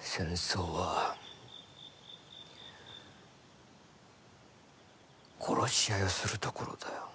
戦争は殺し合いをするところだよ。